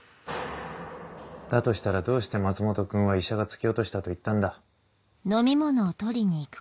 だとしたらどうして松本君は医者が突き落としたと言ったんだ？